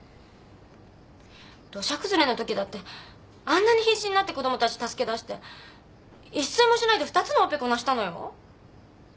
土砂崩れのときだってあんなに必死になって子供たち助け出して一睡もしないで２つのオペこなしたのよ。